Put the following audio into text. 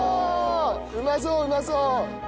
うまそううまそう！